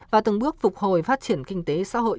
và từng bước phục hồi phát triển kinh tế xã hội